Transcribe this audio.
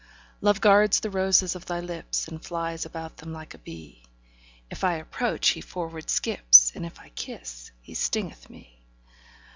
Love guards the roses of thy lips, And flies about them like a bee: If I approach, he forward skips, And if I kiss, he stingeth me.